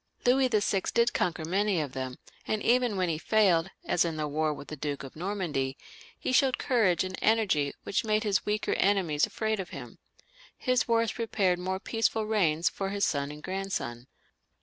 Louis VI. did conquer many of them, and even when he failed, as in his war with the Duke of Normandy, he showed courage and energy which made his weaker enemies afraid of him. His wars prepared more peaceful reigns for his son and grandson.